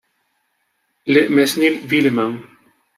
Le Mesnil-Villeman